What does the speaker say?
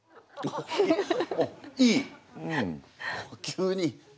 急に。